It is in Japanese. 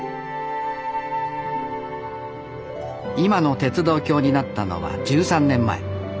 今の鉄道橋になったのは１３年前。